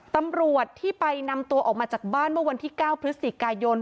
ตำรวจที่ไปนำตัวออกมาจากบ้านเมื่อวันที่๙พฤศจิกายน